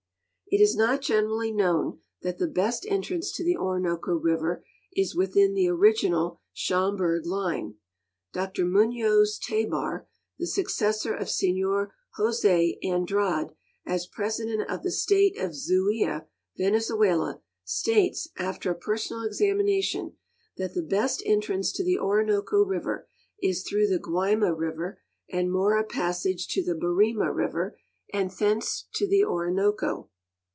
It is not generally known that the best entrance to the Orinoco river is within the original Schomburgk line. Dr !Munoz Tebar, the successor of Senor Jos6 Andrade as president of the state of Zulia, Venezuela, states, after a personal examination, that the best entrance to the Orinoco river is through the Guaima river and Mora passage to the Barium river, and thence to the Orinoco.